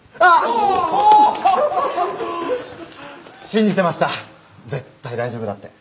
信じてました絶対大丈夫だって。